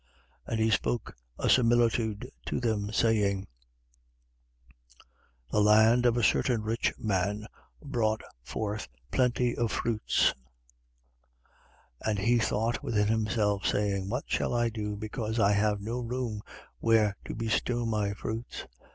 12:16. And he spoke a similitude to them, saying: The land of a certain rich man brought forth plenty of fruits. 12:17. And he thought within himself, saying: What shall I do, because I have no room where to bestow my fruits?